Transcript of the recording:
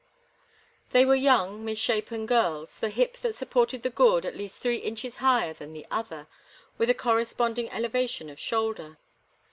They were young, misshapen girls, the hip that supported the gourd at least three inches higher than the other, with a corresponding elevation of shoulder.